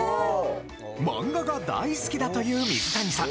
マンガが大好きだという水谷さん。